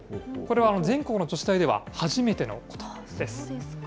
これは全国の女子大では初めてのことです。